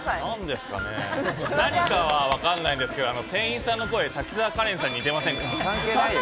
何かはわかんないんですけれども、店員さんの声、滝沢カレンさんに似てませんか？